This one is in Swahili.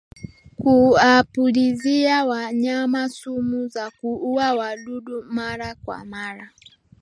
Kuwapulizia wanyama sumu za kuuwa wadudu mara kwa mara